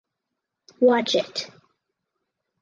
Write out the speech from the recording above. Watch it.